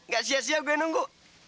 gak sia sia gue nunggu